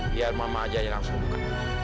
biar mama ajaknya langsung buka